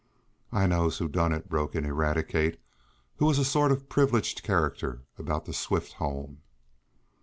"I knows who done it!" broke in Eradicate, who was a sort of privileged character about the Swift home.